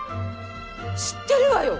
知ってるわよ！